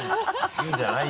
いいんじゃない？